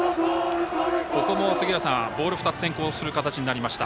ここも、ボール２つ先行する形になりました。